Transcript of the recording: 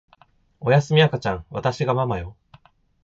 おやすみ赤ちゃんわたしがママよ